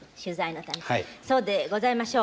そうでございましょう。